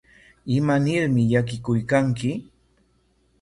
¿Imanarmi llakikuykanki?